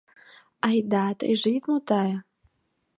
Айда, тыйже ит мутае!..